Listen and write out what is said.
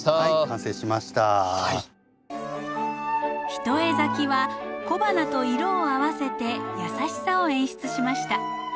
一重咲きは小花と色を合わせて優しさを演出しました。